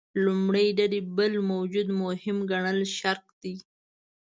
لومړۍ ډلې بل موجود مهم ګڼل شرک دی.